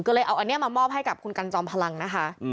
ก็เลยเอาอันนี้มามอบให้กับคุณกันจอมพลังนะคะ